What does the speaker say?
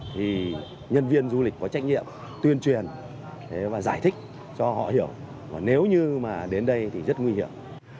thì nhân viên du lịch có trách nhiệm tuyên truyền và giải thích cho họ hiểu và nếu như mà đến đây thì rất nguy hiểm